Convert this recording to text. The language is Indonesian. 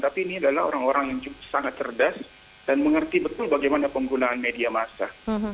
tapi ini adalah orang orang yang sangat cerdas dan mengerti betul bagaimana penggunaan media massa